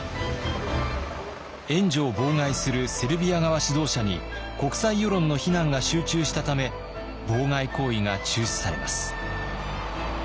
援助を妨害するセルビア側指導者に国際世論の非難が集中したため妨害行為が中止されます。